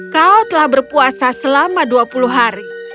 kau telah berpuasa selama dua puluh hari